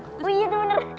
oh iya tuh bener